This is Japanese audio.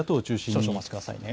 少々お待ちくださいね。